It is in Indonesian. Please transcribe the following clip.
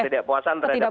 tidak puasan mbak